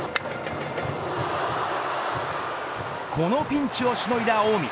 このピンチをしのいだ近江。